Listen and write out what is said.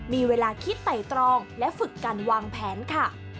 มีเวลาคิดไต่ตรองและฝึกการวางแผนค่ะ